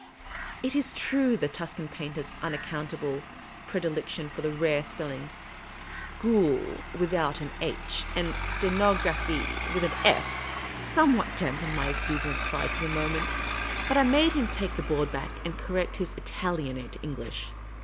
It is true, the Tuscan painter's unaccount able predilection for the rare spellings " Scool " without an /^, and " Stenografy " with ari /", somewhat dampened my exuberant pride for the moment ; but I made him take the board back and correct his Italianate English.